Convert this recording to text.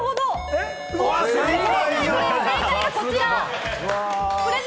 正解はこちら！